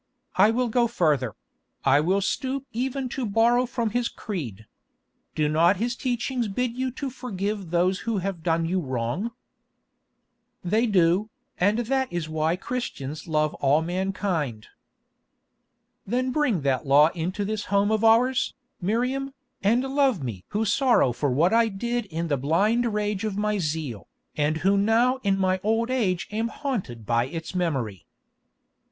I will go further; I will stoop even to borrow from His creed. Do not His teachings bid you to forgive those who have done you wrong?" "They do, and that is why Christians love all mankind." "Then bring that law into this home of ours, Miriam, and love me who sorrow for what I did in the blind rage of my zeal, and who now in my old age am haunted by its memory."